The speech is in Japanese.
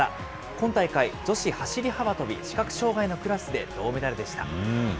今大会、女子走り幅跳び視覚障害のクラスで銅メダルでした。